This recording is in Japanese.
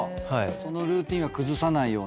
そのルーティンは崩さないように。